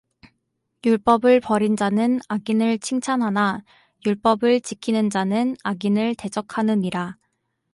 율법을 버린 자는 악인을 칭찬하나 율법을 지키는 자는 악인을 대적하느니라